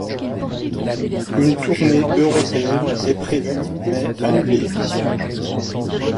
Une tournée européenne est prévue mais annulée.